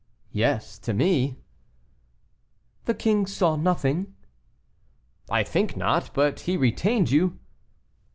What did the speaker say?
"Yes, to me." "The king saw nothing?" "I think not; but he retained you?"